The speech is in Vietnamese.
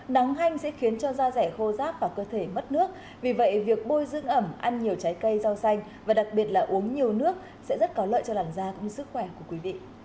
nắng hanh sẽ khiến cho da rẻ khô ráp và cơ thể mất nước vì vậy việc bôi dưỡng ẩm ăn nhiều trái cây rau xanh và đặc biệt là uống nhiều nước sẽ rất có lợi cho làn da cũng như sức khỏe của quý vị